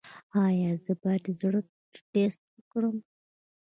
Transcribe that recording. ایا زه باید د زړه ټسټ وکړم؟